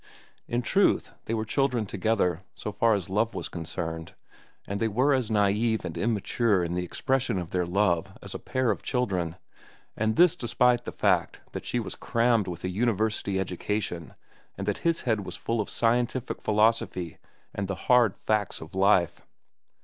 In truth, they were children together, so far as love was concerned, and they were as naive and immature in the expression of their love as a pair of children, and this despite the fact that she was crammed with a university education and that his head was full of scientific philosophy and the hard facts of life.